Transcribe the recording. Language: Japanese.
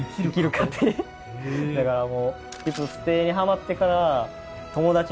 だからもう。